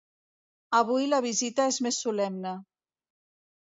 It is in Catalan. Avui la visita és més solemne.